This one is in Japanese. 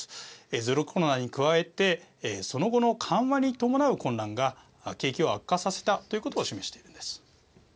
ゼロコロナに加えてその後の緩和に伴う混乱が景気を悪化させたということを示しているんです。